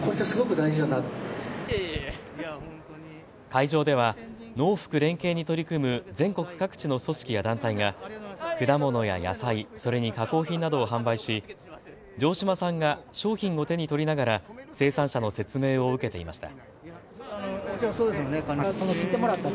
会場では農福連携に取り組む全国各地の組織や団体が果物や野菜、それに加工品などを販売し城島さんが商品を手に取りながら生産者の説明を受けていました。